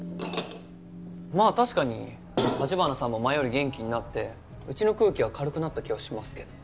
まあ確かに城華さんも前より元気になってうちの空気は軽くなった気はしますけど。